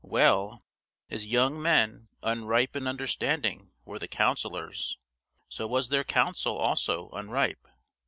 Well, as young men, unripe in understanding, were the councillors, so was their counsel also unripe.